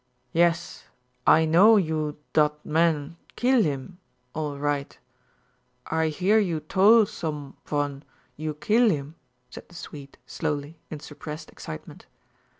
"Yas, I know you dot man keel heem, all right. I hear you tol' some von you keel heem," said the Swede, slowly, in suppressed excitement.